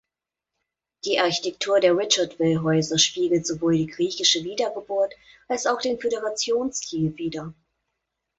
Die Architektur der Richardville-Häuser spiegelt sowohl die griechische Wiedergeburt als auch den Föderationsstil wider.